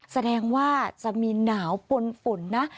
แสดงว่าจะมีหนาวปนฝุ่นนะ